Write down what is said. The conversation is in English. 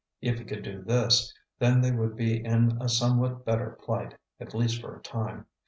If he could do this, then they would be in a somewhat better plight, at least for a time.